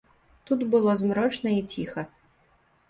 Тут было змрочна і ціха.